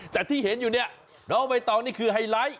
แต่ที่เห็นอยู่เนี่ยเราเอาไปตอนนี้คือไฮไลท์